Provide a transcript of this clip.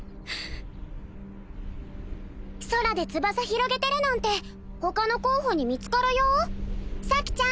空で翼広げてるなんて他の候補に見つかるよ咲ちゃん